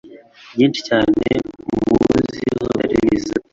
Byinshi cyane, muziho bitari byiza